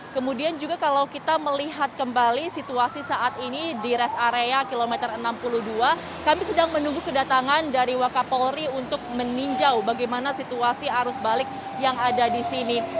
kemudian juga kalau kita melihat kembali situasi saat ini di rest area kilometer enam puluh dua kami sedang menunggu kedatangan dari wakapolri untuk meninjau bagaimana situasi arus balik yang ada di sini